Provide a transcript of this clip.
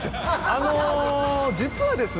あの実はですね